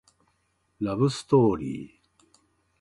ラブストーリー